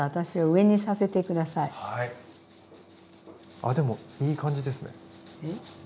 あでもいい感じですね。